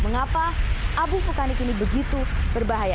mengapa abu vulkanik ini begitu berbahaya